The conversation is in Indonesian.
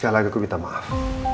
sekali lagi aku minta maaf